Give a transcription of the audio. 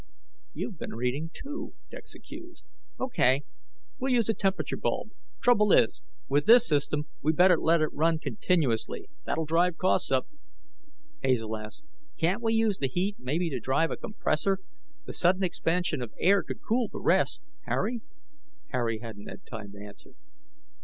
"You've been reading, too," Dex accused. "Ok, we'll use a temperature bulb. Trouble is, with this system, we'd better let it run continuously. That'll drive costs up." Hazel asked, "Can't we use the heat, maybe to drive a compressor? The sudden expansion of air could cool the rest. Harry?" Harry hadn't time to answer.